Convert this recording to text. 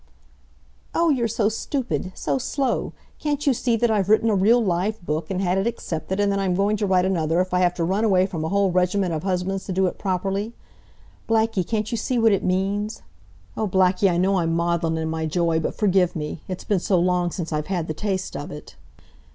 "Oh, you're so stupid! So slow! Can't you see that I've written a real live book, and had it accepted, and that I am going to write another if I have to run away from a whole regiment of husbands to do it properly? Blackie, can't you see what it means! Oh, Blackie, I know I'm maudlin in my joy, but forgive me. It's been so long since I've had the taste of it."